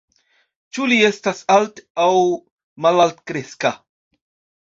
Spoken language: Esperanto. Ĉu li estas alt- aŭ malaltkreska?